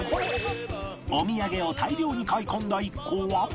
お土産を大量に買い込んだ一行は